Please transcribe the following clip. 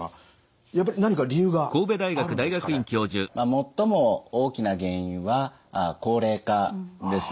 最も大きな原因は高齢化です。